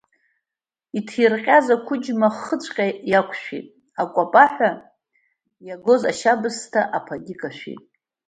Инҭирҟьаз ақәыџьма ахыҵәҟьа иақәшәеит, акәапаҳәа иагоз ашьабсҭа аԥагьы кашәеит.